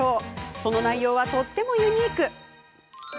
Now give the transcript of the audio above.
その内容は、とってもユニーク。